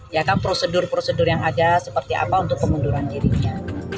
ya kan prosedur prosedur yang ada seperti apa untuk pengunduran dirinya